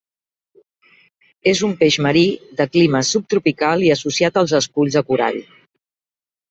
És un peix marí, de clima subtropical i associat als esculls de corall.